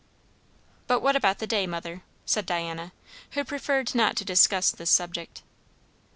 "But what about the day, mother?" said Diana, who preferred not to discuss this subject.